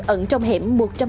ẩn trong hẻm một trăm bốn mươi